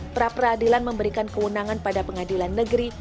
pra peradilan memberikan kewenangan pada pengadilan negeri